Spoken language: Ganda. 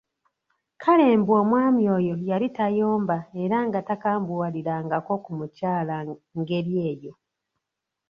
Kale mbu omwami oyo yali tayomba era nga takambuwalirangako ku mukyala ng'eri eyo !